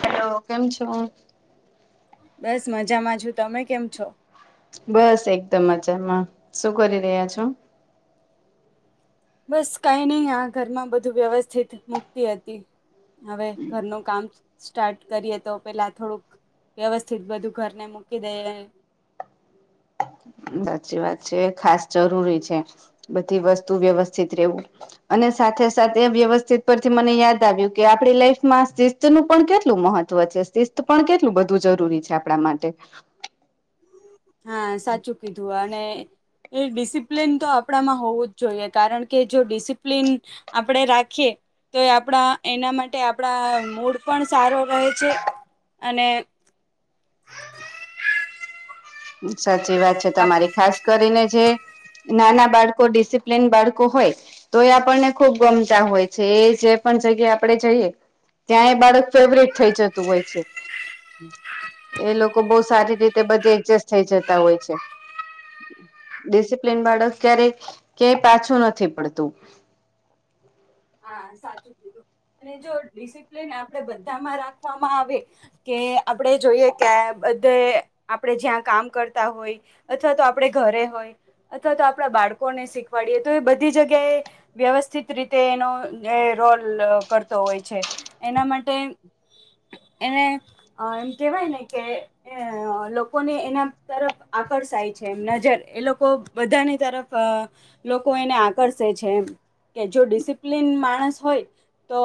Hello કેમ છો. બસ મજામાં છું તમે કેમ છો. બસ એકદમ મજામાં શું કરી રહ્યા છો. બસ કઈ નહી આ ઘરમાં બધું વ્યવસ્થિત મુક્તિ હતી. હવે ઘરનું કામ સ્ટાર્ટ કરીએ તો પેલા થોડુંક વ્યવસ્થિત બધું ઘરને મૂકી દઈએ સાચી વાત છે. ખાસ જરૂરી છે. બધી વસ્તુ વ્યવસ્થિત રહેવું અને સાથે સાથે એ વ્યવસ્થિત પરથી મને યાદ આવ્યું કે આપણી લાઈફમાં શિરત નું પણ કેટલું મહત્વ છે શિસ્ત પણ કેટલું બધું જરૂરી છે આપણા માટે હા સાચું કીધું આ અને એ ડિસિપ્લિન તો આપણામાં હોવું જ જોઈએ કારણ કે જો ડિસિપ્લિન આપણે રાખીએ તો આપણા એના માટે આપણા મુડ પણ સારો રહે છે અને સાચી વાત છે તમારી ખાસ કરીને જે નાના બાળકો ડિસિપ્લિન બાળકો હોય તો એ આપણને ખુબ ગમતા હોય છે. એ જે પણ જગ્યા આપણે જઈએ ત્યાં એ બાળક ફેવરટ થઈ જતું હોય છે. એ લોકો બહુ સારી રીતે બધે એડજસ્ટ થઈ જતા હોય છે ડિસિપ્લિન બાળક ક્યારેક ક્યાંય પાછું નથી પડતું હા સાચું કીધું અને જો ડિસિપ્લિન આપડે બધામાં રાખવામાં આવે કે આપણે જોઈએ કે બધે આપણે જ્યાં કામ કરતા હોય અથવા તો આપડે ઘરે હોય અથવા તો આપણા બાળકોને શીખવાડીએ તો એ બધી જગ્યાએ વ્યવસ્થિત રીતે એનો એ રોલ કરતો હોય છે એના માટે એને અ એમ કેવાય ને કે એ લોકોને એના તરફ આકર લોકો એને આકર્ષે છે કે જો ડિસિપ્લીન [unintelligible] ્લીન માણસ હોય તો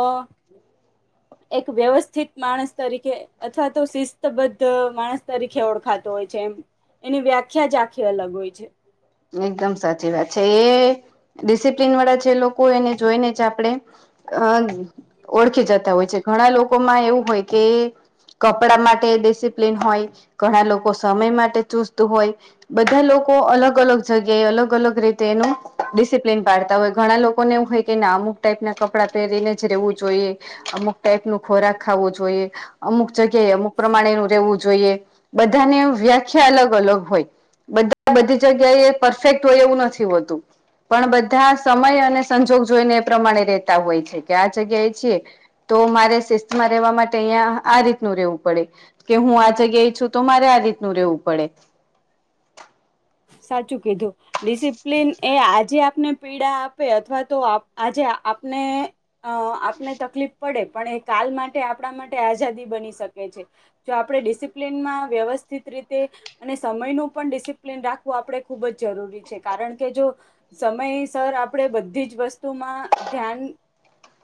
[unintelligible] એક વ્યવસ્થિત માણસ તરીકે અથવા તો શિસ્તબદ્ધ માણસ તરીકે ઓળખાતો હોય છે એમ એની વ્યાખ્યા જ આખી અલગ હોય છે એકદમ સાચી વાત છે એ ડિસિપ્લીન વાળા જે લોકોય એને જોઈને છે આપણે અ ઓળખી જતા હોય છે ઘણા લોકોમાં એવું હોય કે કપડા માટે ડિસિપ્લીન હોય ઘણા લોકો સમય માટે ચુસ્ત હોય બધા લોકો અલગ અલગ જગ્યાએ અલગ અલગ રીતે એનું ડિસિપ્લીન પાડતા હોય ઘણા લોકોને એવું કે ના અમુક ટાઈપ ના કપડાં પહેરીને જ રેવું જોઈએ અમુક ટાઈપ નુ ખોરાક ખાવો જોઈએ અમુક જગ્યાએ અમુક પ્રમાણે એનું રહેવું જોઈએ બધાની વ્યાખ્યા અલગ અલગ હોય બધા બધી જગ્યાએ પરફેક્ટ હોય એવું નથી હોતું પણ બધા સમય અને સંજોગ જોઈને એ પ્રમાણે રતા હોય છે કે આ જગ્યાએ છીએ તો મારે શિસ્તમાં રેવા માટે અહીં આ રીતનું રહેેવું પડે કે હું આ જગ્યાએ છું તો મારે આ રીતનું રહેવું પડે સાચું કીધું ડિસિપ્લિન એ આજે આપને પીડા આપે અથવા તો આજે આપને અ આપને તકલીફ પડે પણ એ કાલ માટે આપણા માટે આઝાદી બની શકે છે જો આપણે ડિસિપ્લિનમાં વ્યવસ્થિત રીતે અને સમયનું પણ ડિસિપ ન રાખવું આપણે ખૂબ જ જરૂરી છે કારણ કે જો સમયસર આપણેે બધી જ વસ્તુમાં ધ્યાન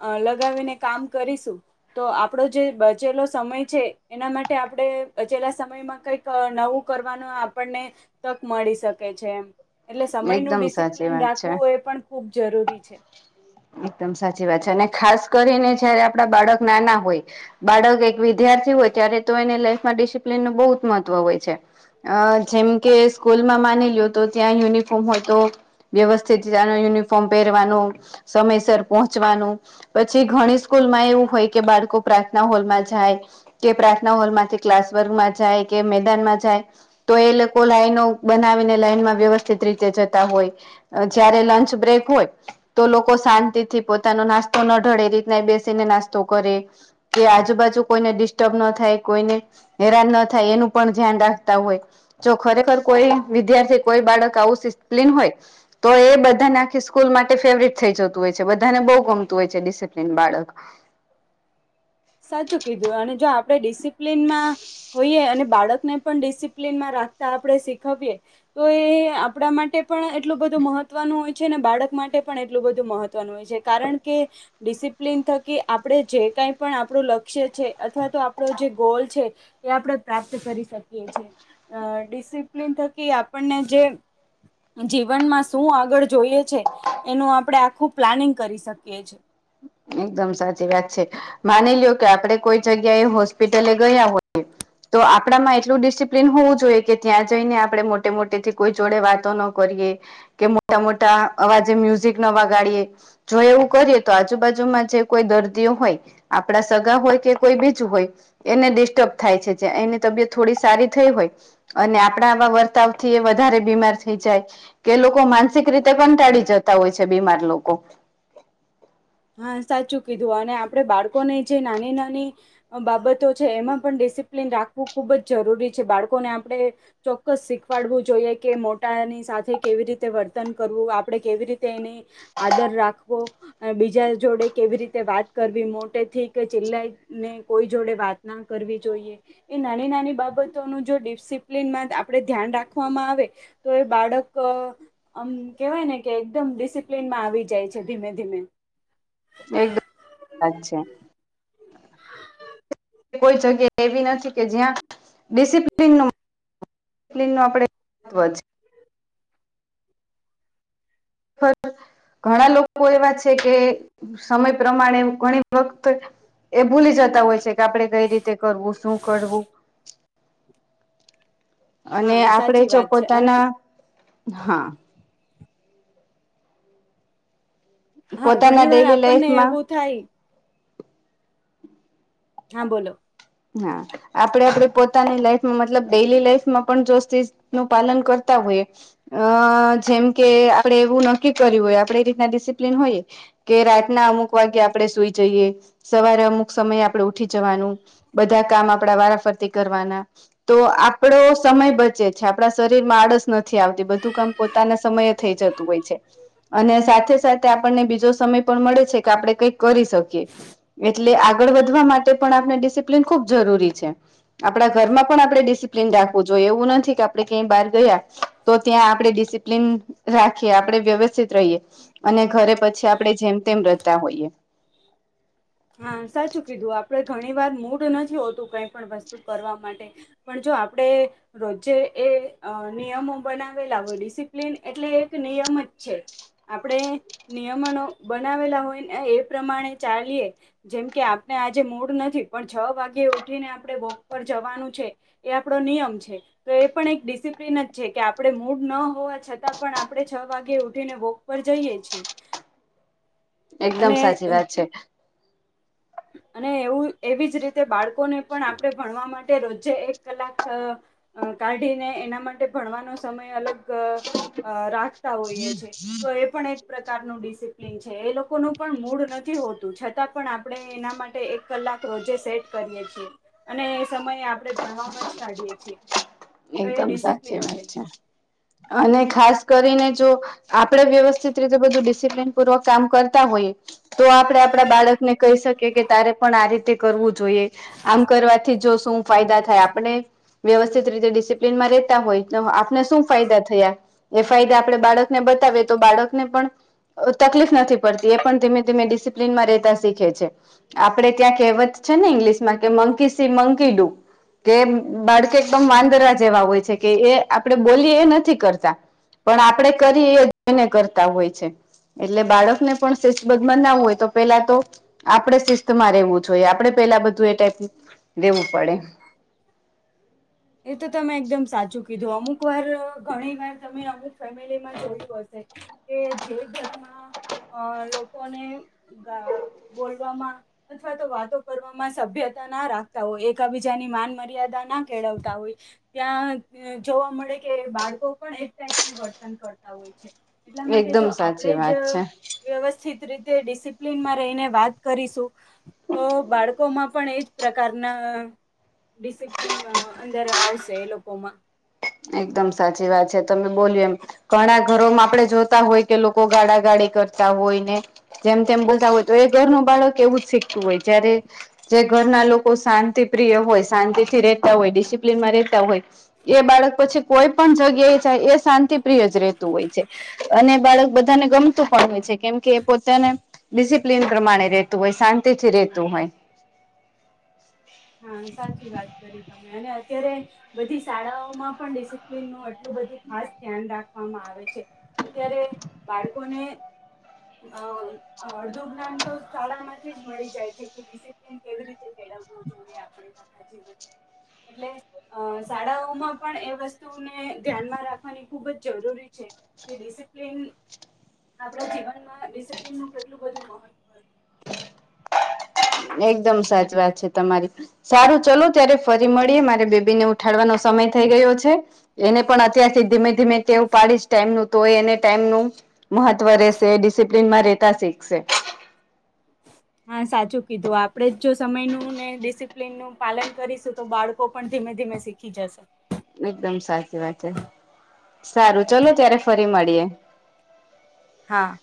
અ લગાવીને કામ કરીશું તો આપડો જે બચેલો સમય છે એના માટે આપણે બચેલા સમયમાં કઈક નવું કરવાનું આપણને તક મળી શકે છે એમ એટલે સમયનું એકદમ સાચી ડિસિપ્લિન વાત છે રાખવું એ પણ ખૂબ જરૂરી છે એકદમ સાચી વાત છે અને ખાસ કરીને જયારે આપડા બાળક નાના હોય બાળક એક વિદ્યાર્થી હોય ત્યારે તો એને લાઈફમાં ડિસિપ્લીિનનું બહુ જ મહત્વ હોય છે અ જેમ કે સ્કૂલમાં માનેલ્યો હતો ત્યાં યુનિફોર્મ હતો વ્યવસ્થિત રીનું યુનિફોર્મ પહેરવાનું સમયસર પહોંચવાનું. પછી ઘણી સ્કૂલમાં એવું હોય કે બાળકો પ્રાર્થના હોલમાં જાય. કે પ્રાર્થના હોલમાંથી ક્લાસ વર્ગમાં જાય કે મેદાનમાં જાય તો એ લોકો લાઈનો બનાવીને લાઈનમાં વ્યવસ્થિત રીતે જતા હોય જયારે લંચ બ્રેક હોય તો લોકો શાંતિ થી પોતાનો નાસ્તો ન ઢળે એ રીતના એ બેસીને નાસ્તો કરે કે આજુબાજુ કોઈને ડિસ્ટર્બ ન થાય કોઈને હેરાન ન થાય એનું પણ ધ્યાન રાખતા હોય. જો ખરેખર કોઈ વિદ્યાર્થી કોઈ બાળક આવું સિપ્લીન હોય તો એ બધાનેખી સ્કૂલ માટે ફેવરટ થઈ જતું હોય છે બધાનેહુ ગમતું હોય છે ડિસિપ્લિન બાળક સાચું કીધું અને જો આપડણે ડિસિપ્લિન માં હોઈએ અને બાળકને પણ ડિસિપ્લિનમાં રાખતા આપણે શીખવીએ તો એ આપણા માટે પણ એટલું બધું મહત્વનું હોય છે અને બાળક માટે પણ એટલું બધું મહત્વનું હોય છે કારણ કે ડિસિપ્લન થકી આપણે જે કઈ પણ આપણું લક્ષ્ય છે અથવા તો આપણો જે ગોલ છે એ આપણે પ્રાપ્ત કરી શકીએ છીએ ડિસિપ્લિન થકી આપણને જે જીવનમાં શું આગળ જોઈએ છે એનું આપડે આખું પ્લાનિંગ કરી શકીએ છેીએ. એકદમ સાચી વાત છે. માની લ્યો કે આપડે કોઈ જગ્યાએ હોસ્પિટલે ગયા હોય તો આપડામાં એટલું ડિસિપ્લીિન હોવું જોઈએ કે ત્યાં જઈને આપણે મોટે મોટે થી કોઈ જોડે વાતો ન કે મોટા મોટા અવાજે મ્યુઝિક ન વગાડીએ જો એવું કરીએ તો આજુબાજુમાં જે કોઈ દર્દીઓ હોય આપડા સગા હોય કે કોઈ બીજું હોય એને ડિસ્ટર્બ થાય છે જે એની તબિયત થોડી સારી થઈ હોય અને આપણા આવા વર્તાવથી એ વધારે બીમાર થઈ જાય કે લોકો માનસિક રીતે પણ ટાળી જતા હોય છે બીમાર લોકો હા સાચું કીધું અને આપડે બાળકોને જે નાની નાની બાબતો છે એમાં પણ ડિસિપ્લિન રાખવું ખૂબ જ જરૂરી છે બાળકોને આપણે ચોક્કસ શીખવાડવું જોઈએ કે મોટાની સાથે કેવી રીતે વર્તન કરવું આપણે કેવી રીતે એની આદર રાખવો બીજા જોડે કેવી રીતે વાત કરવી મોટેથી કે ચિલ્લાઈ ને કોઈ જોડે વાત ના કરવી જોઈએ. એ નાની નાની બાબતોનું જો ડિસિપ્લનમાં આપડે ધ્યાન રાખવામાં આવે તો એ બાળક આમ કેવાય ને કે એકદમ ડિસિપ્લનમાં આવી જાય છે ધીમે ધીમે એકદમ સાચે કોઈ જગ્યા એવી નથી કે જ્યાં ડિસિપ્લિન નું નું આપડે [unintelligible] ઘણા લોકો એવા છે કે સમય પ્રમાણે ઘણી વખત એ ભૂલી જતા હોય છે કે આપડે કઈ રીતે કરવું શું કરવું. અને હા આપણે સાચી જો વાત છે અને પોતાના હા હા પોતાના ઘણી વાર ડેલી આપણને લાઈફમાં એવું થાય હા બોલો હા આપડે આપડે પોતાની લાઈફમાં મતલબ ડેલી લાઈફમાં પણ જો સિર્ફ નું પાલન કરતા હોઈય અ જેમ કે આપડે એવું નક્કી કર્યું હોય આપડે એ રીતના ડિસિપ્લીન હોઈએ કે રાતના અમુક વાગે આપણે સુઈ જઈએ સવારે અમુક સમયે આપડે ઉઠી જવાનું બધા કામ આપડા વારાફરતી કરવાના તો આપડો સમય બચે છે આપણા શરીર માં આળસ નથી આવતી બધું કામ પોતાના સમયે થઈ જતું હોય છે. અને સાથે સાથે આપણને બીજો સમય પણ મળે છે કે આપણે કંઈક કરી શકીએ. એટલે આગળ વધવા માટે પણ આપણે ડિસિપ્લીિન ખુબ જરૂરી છે. આપણા ઘરમાં પણ આપણે ડિસિપ્લીિન રાખવું જોઈએ એવું નથી કે આપણે ક્યાંય બહાર ગયા તો ત્યાં આપણે ડિસિપ્લન રાખીએ આપણે વ્યવસ્થિત રહીએ. અને ઘરે પછી આપણેે જેમ તેમ રહેતા હોઈએ. હા સાચું કીધું આપડે ઘણી વાર મૂડ નથી હોતું કઈ પણ વસ્તુ કરવા માટે પણ જો આપડે રોજે એ અ નિયમો બનાવેલા હોય ડિસિપ્લિન એટલે એક નિયમ જ છે. આપણે નિયમનો બનાવેલા હોય ને એ પ્રમાણે ચાલીએ. જેમ કે આપણે આજે મૂડ નથી પણ છ વાગે ઉઠીને આપણે વોક પર જવાનું છે. એ આપડો નિયમ છે. તો એ પણ એક ડિસિપ્લિન જ છે કે આપણે મૂડ ન હોવા છતાં પણ આપણે છ વાગે ઉઠીને વોક પર જઈએ. છે એકદમ સાચી વાત છે. અને એવું એવી જ રીતે બાળકોને પણ આપણે ભણવા માટે રોજે એક કલાક અ કાઢીને એના માટે ભણવાનો સમય અલગ એક અ રાખતા હોઈએ છે તો એ પણ એક પ્રકારનું ડિસિપ્લન છે એ લોકો કોનું પણ મૂડ નથી હોતું છતાં પણ આપણે એના માટે એક કલાક રોજે સેટ કરીએ છીએ અને એ સમયે આપણેે ભણવામાં જ કાઢીએ છીએ તો એ એકદમ સાચી ડિસિપ્લિન છે. વાત અને ખાસ કરીને જો આપણેે વ્યવસ્થિત રીતે બધું ડિસિપ્લન પૂર્વક કામ કરતા હોઈએ. તો આપડે આપડા બાળક ને કહી શકીએ કે તારે પણ આ રીતે રીતે કરવું જોઈએ આમ કરવાથી જો શું ફાયદા આપણે વ્યવસ્થિત રીતે ડિસિપ્લનમાં રહેેતા હોય તો આપને શું ફાયદા થયા. એ ફાયદા આપણે બાળકને બતાવીએ તો બાળકને પણ તકલીફ નથી પડતી એ પણ ધીમે ધીમે ડિસિપ્લીનમાં રહેતા શીખે છે. આપડે ત્યાં કહેવત છે ને ઇંગ્લિશ માં કે મંકી સી મંકી ડુ કે બાળકે એકદમ વાંદરા જેવા હોય છે કે એ આપણે બોલી એ નથી કરતા. પણ આપડે કરી એને કરતા હોય છે. એટલે બાળકને પણ સેચબગ ના બનાવવું હોય તો પેલા તો આપણેે શિસ્તમાં રહેેવું જોઈએ આપણે પેલા બધું એ ટાઈપ રેવું પડે એ તો તમે એકદમ સાચું કીધું અમુક એક વાર ઘણી વાર તમે અમુક ફેમિલીમાં જોયું હશે કે જે ઘરમાં અ લોકોને બોલવામાં અથવા તો વાતો કરવામાં સભ્યતા ના રાખતા હોય એકબીજાની માન મર્યાદા ના કેળવતા હોય. ત્યાં જોવા મળે કે બાળકો પણ એક નું વર્તન કરતા હોય છે. એટલા માટે એકદમ જો સાચી આપણેે જ વાત છે વ્યવસ્થિત રીતે ડિસિપ્લિનમાં રહીને વાત કરીશું તો બાળકોમાં પણ એ જ પ્રકારના ડિસિપ્લન અંદર આવશે એ લોકોમાં એકદમ સાચી વાત છે તમે બોલ્યું એમ. ઘણા ઘરોમાં આપણે જોતા હોય કે લોકો ગાડા ગાડી કરતા હોય ને જેમ તેમ બોલતા હોય તો એ ઘરનું બાળક એવું જ શીખતું હોય જયારે જે ઘરના લોકો શાંતિ પ્રિય હોય શાંતિથી રહેતા હોય ડિસિપ્લિનમાં રહેતા હોય. એ બાળક પછી કોઈ પણ જગ્યાએ જાય એ શાંતિ પ્રિય જ રહેતું હોય છે. અને બાળક બધાને ગમતું પણ હોય છે કેમ કે પોતાને ડિસિપ્લિન પ્રમાણે ર રહેતું હોય શાંતિથી રહેતું હોય. હા સાચી વાત કરી તમે અને અત્યારે બધી શાળાઓમાં પણ ડિસિપ્લીન નું. એટલુ બધું ખાસ ધ્યાન રાખવામાં આવે છે અત્યારે બાળકોને અ. અડધું જ્ઞાન તો શાળા માંથી જ મળી જાય છે કે ડિસિપ્લીન કેવી રીતે મેળવવું [unintelligible] એટલે અ શાળાઓમાં પણ એ વસ્તુને ધ્યાનમાં રાખવાની ખુબ જ જરૂરી છે. કે ડિસિપ્લન આપડા જીવનમાં ડિસિપ્લન નું કેટલું બધું મહત્વ. છે એકદમ સાચી વાત છે તમારી સારું ચલો ત્યારે ફરી મળીએ મારે બેબી ને ઉત. ઉઠાડવાનો સમય થઈ ગયો છે. એને પણ અત્યારથી ધીમે ધીમે ટેવ પાડીશ ટાઈમનું તો એને ટાઈમનુ મહત્વ રહેશે ડિસિપ્લેનમાં રહેતા શીખશે. હા સાચું કીધું આપડે જ જો સમયનું ને ડિસિપ્લિન નુ. પાલન કરીશું તો બાળકો પણ ધીમે ધીમે શીખી જશે. એકદમ સાચી વાત છે સારું ચલો ત્યારે ફરી મળીએ. હા.